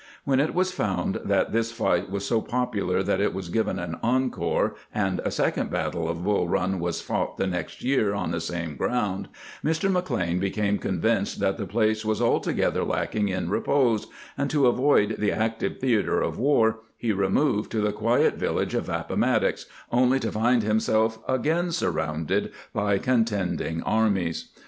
When it was found that this fight was so popular that it was given an encore, and a second battle of Bull Eun was fought the next year on the same ground, Mr. McLean became convinced that the place was altogether lacking in repose, and to avoid the active theater of war he removed to the quiet village of Appomattox, only to find himself again surrounded by contending armies.